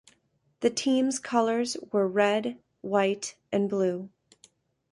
The team's colors were red, white and blue.